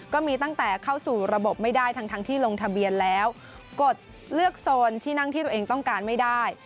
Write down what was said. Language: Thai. ก็มีตั้งแต่เข้าสู่ระบบไม่ได้ทั้งที่ลงทะเบียนแล้วกดเลือกโซนที่นั่งที่ตัวเองต้องการไม่ได้